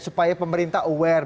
supaya pemerintah aware